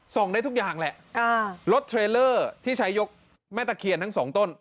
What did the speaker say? ได้ทุกอย่างแหละรถเทรลเลอร์ที่ใช้ยกแม่ตะเคียนทั้งสองต้น